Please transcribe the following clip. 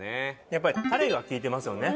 やっぱりタレが利いてますよね。